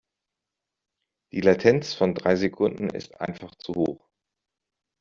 Die Latenz von drei Sekunden ist einfach zu hoch.